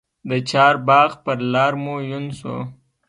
د چارباغ پر لار مو یون سو